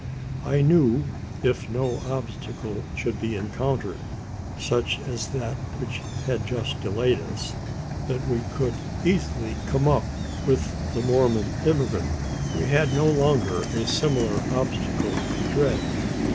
I knew, if no obstacle should be encountered such as that which had just delayed us that we could easily come up with the Mormon emigrants. We had no longer a similar obstacle to dread.